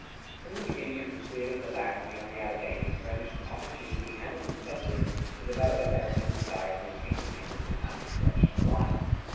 From the beginning it was clear that the lands beyond the Alleghanies furnished an opportunity and an incentive to develop American society on independent and unconventional lines.